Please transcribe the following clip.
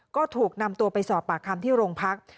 ก็ถูกนำตัวไปสอบปากคำที่โรงพัก